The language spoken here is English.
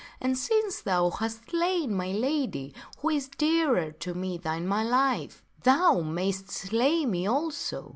And since thou hast slain my lady, who is dearer to me than my life, thou mayst slay me also.